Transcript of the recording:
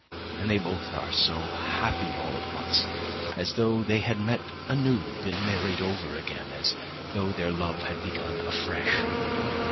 And they both are so happy all at once—as though they had met anew, been married over again; as though their love had begun afresh.